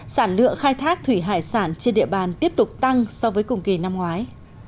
sản lượng khai thác thủy hải sản trên địa bàn tiếp tục tăng so với cùng kỳ năm ngoái